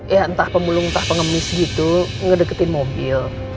ya entah pemulung entah pengemis gitu ngedeketin mobil